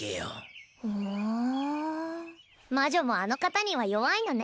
ふぅん魔女もあの方には弱いのね。